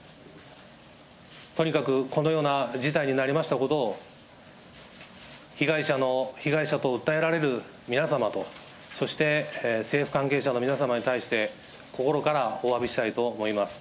とにかく、このような事態になりましたことを、被害者の、被害者と訴えられる皆様と、そして政府関係者の皆様に対して、心からおわびしたいと思います。